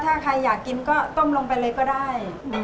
ถ้าใครอยากกินก็ต้มลงไปเลยก็ได้